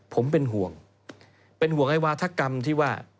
ผมเป็นห่วงเป็นห่วงไอ้วาธกรรมที่ว่า